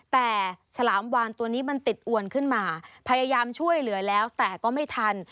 แต่ฉลามวานตัวนี้มันติดอวนขึ้นมาพยายามช่วยเหลือแล้วแต่ก็ไม่ทัน